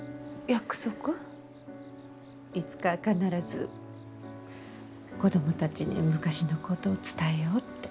いつか必ず子供たちに昔のこと伝えようって。